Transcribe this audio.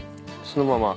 そのまま。